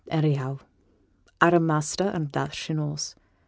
Anyhow, a'm master, and that she knows.